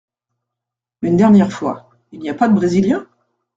Une dernière fois… il n’y a pas de Brésilien ?…